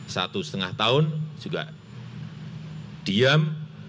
satu setengah tahun juga diam